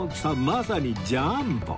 まさにジャンボ！